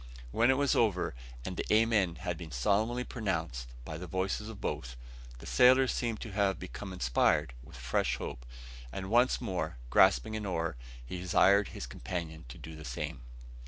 When it was over, and the "Amen" had been solemnly pronounced by the voices of both, the sailor seemed to have become inspired with a fresh hope; and, once more grasping an oar, he desired his companion to do the same.